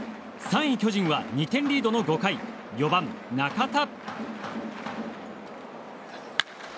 ３位、巨人は２点リードの５回４番、中田。